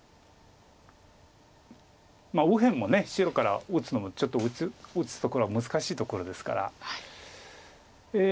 右辺も白から打つのもちょっと打つところは難しいところですから。